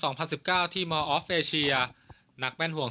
๕คุณ๕ใน๔เกม๒๐๑๙ที่มอร์ออฟเอเชียนักแม่นห่วง